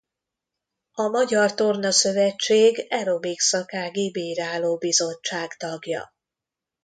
A Magyar Torna Szövetség Aerobik Szakági Bírálóbizottság tagja.